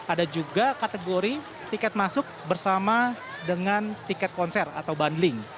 ada juga kategori tiket masuk bersama dengan tiket konser atau bundling